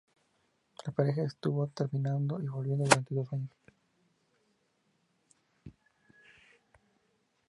La pareja estuvo terminando y volviendo durante dos años.